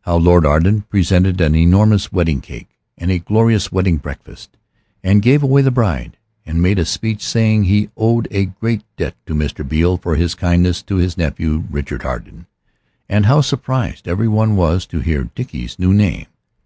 How Lord Arden presented an enormous wedding cake and a glorious wedding breakfast, and gave away the bride, and made a speech saying he owed a great debt to Mr. Beale for his kindness to his nephew Richard Arden, and how surprised every one was to hear Dickie's new name.